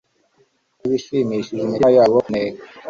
Nibishimishe imitima yabo kuneka